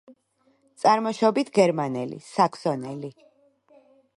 წარმოშობით გერმანელი, საქსონელი.